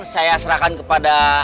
saya serahkan kepada